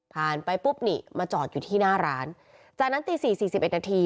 ผ่านไปปุ๊บนี่มาจอดอยู่ที่หน้าร้านจากนั้นตี๔๔๑นาที